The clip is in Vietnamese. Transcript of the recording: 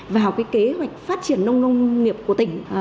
vào kế hoạch phát triển nông nghiệp của tỉnh